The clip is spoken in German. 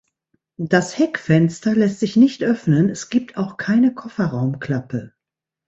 Das Heckfenster lässt sich nicht öffnen; es gibt auch keine Kofferraumklappe.